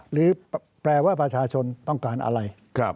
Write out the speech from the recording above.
หรือแปลว่าประชาชนต้องการอะไร